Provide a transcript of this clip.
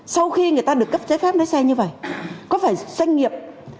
sau khi người ta được cấp giấy phép lái xe như vậy có phải doanh nghiệp